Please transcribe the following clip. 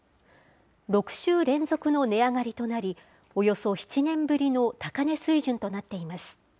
６週連続の値上がりとなり、およそ７年ぶりの高値水準となっています。